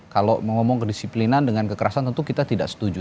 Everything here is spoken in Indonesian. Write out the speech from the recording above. kalau ngomong kedisiplinan dengan kekerasan tentu kita tidak setuju